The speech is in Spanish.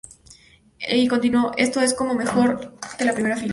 Y continuó: "Esto es como mejor que la primera fila.